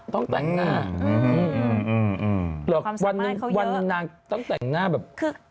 ต้องแต่งหน้าความสามารถเขาเยอะวันหนึ่งต้องแต่งหน้าแบบ